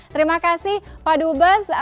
terima kasih pak dubes